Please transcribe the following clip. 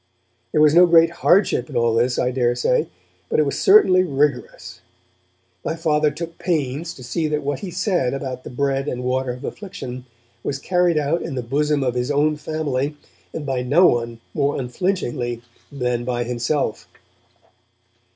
There was no great hardship in all this, I daresay, but it was certainly rigorous. My Father took pains to see that what he had said about the bread and water of affliction was carried out in the bosom of his own family, and by no one more unflinchingly than by himself.